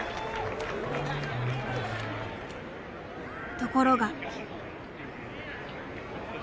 ところが。